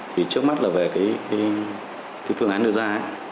thì trước mắt là về cái phương án đưa ra ấy